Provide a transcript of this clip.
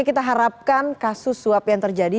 kita harapkan kasus suap yang terjadi